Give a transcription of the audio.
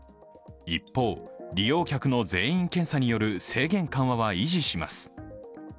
一方、利用客の全員検査による制限緩和は維持します。